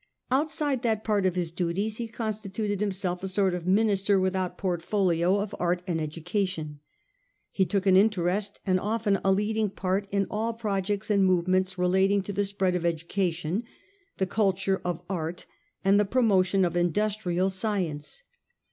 Out side that part of his duties, he constituted himself a sort of minister without portfolio of art and education. He took an interest, and often a leading part, in all projects and movements relating to the spread of education, the culture of art, and the promotion of industrial science.